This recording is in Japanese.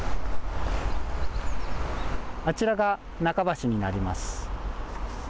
あちらが中橋になります。